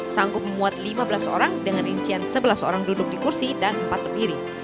sanggup memuat lima belas orang dengan rincian sebelas orang duduk di kursi dan empat pendiri